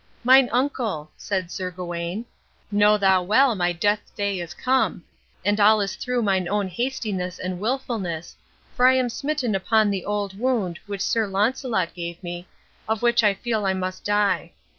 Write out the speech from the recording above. "Mine uncle," said Sir Gawain, "know thou well my death day is come, and all is through mine own hastiness and wilfulness, for I am smitten upon the old wound which Sir Launcelot gave me, of which I feel I must die.